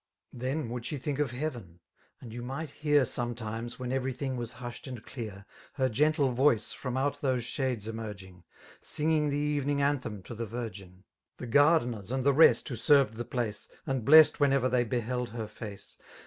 Then would she think of heaven , and you might hear Sometimes, when every thing was hushed and dear. Her gmtte vnkre tentout tkoseflliiikS'eaMigiiig^' Singing the evening' antkem to the ViiginA .. Thegaideiiera and the teat, who senred the plaocw And blest whenever they beheld her face.